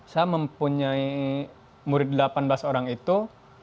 saya mempunyai murid delapan belas orang itu